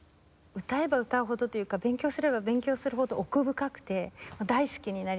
歌えば歌うほどというか勉強すれば勉強するほど奥深くて大好きになりました。